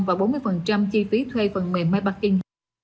và bốn mươi chi phí thuê phần mềm máy banking